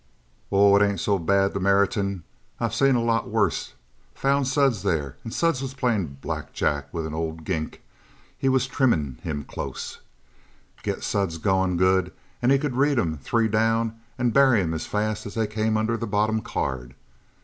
"Oh, it ain't so bad the Meriton. I've seen a lot worse. Found Suds there, and Suds was playing Black Jack with an ol gink. He was trimmin' him close. Get Suds going good and he could read 'em three down and bury 'em as fast as they came under the bottom card.